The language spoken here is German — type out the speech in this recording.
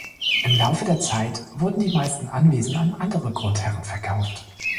Im Laufe der Zeit wurden die meisten Anwesen an andere Grundherren verkauft.